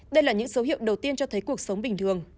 đây là những số hiệu đầu tiên cho thấy cuộc sống bình thường